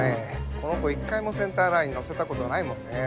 この子一回もセンターラインに乗せたことないもんねぇ。